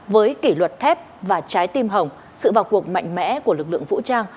với kỷ luật thép và trái tim hồng sự vào cuộc mạnh mẽ của lực lượng vũ trang